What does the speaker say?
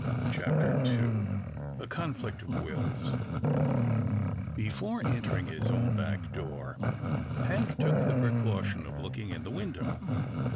CHAPTER II A CONFLICT OF WILLS Before entering his own back door, Hank took the precaution of looking in the window.